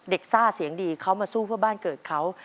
ซ่าเสียงดีเขามาสู้เพื่อบ้านเกิดเขา